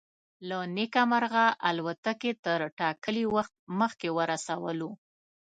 له نیکه مرغه الوتکې تر ټاکلي وخت مخکې ورسولو.